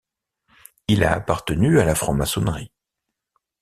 Il a appartenu à la franc-maçonnerie.